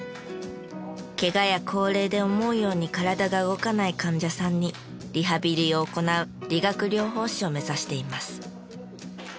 ケガや高齢で思うように体が動かない患者さんにリハビリを行う理学療法士を目指しています。